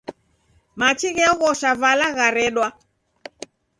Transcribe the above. Machi gheoghosha vala gharedwa.